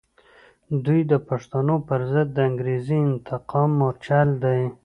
دوی د پښتنو پر ضد د انګریزي انتقام مورچل دی.